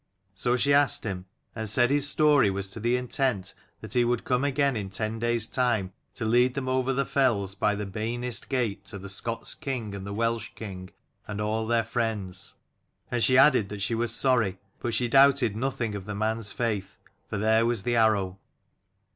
So she asked him, and said his story was to the intent that he would come again in ten days' time to lead them over the fells by the bainest gate to the Scots king and the Welsh king and all their friends : and she added that 45 she was sorry; but she doubted nothing of the man's faith, for there was the arrow.